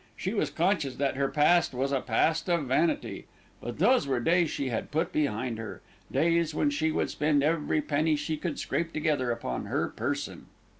She was conscious that her past was a past of vanity; but those were days she had put behind her, days when she would spend every penny she could scrape together upon her person.